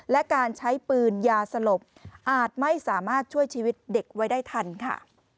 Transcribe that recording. และการใช้ปืนยาสลบอาจไม่สามารถช่วยชีวิตเด็กไว้ได้ทันค่ะ